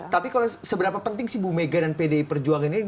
tapi kalau seberapa penting sih bu mega dan pdi perjuangan ini